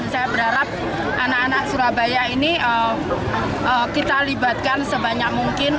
saya berharap anak anak surabaya ini kita libatkan sebanyak mungkin